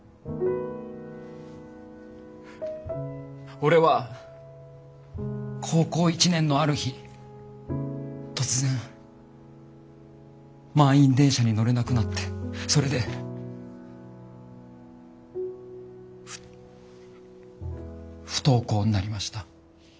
俺は高校１年のある日突然満員電車に乗れなくなってそれでふ不登校になりました。